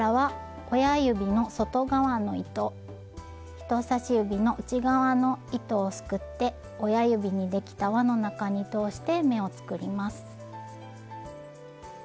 人さし指の内側の糸をすくって親指にできた輪の中に通して目を作ります。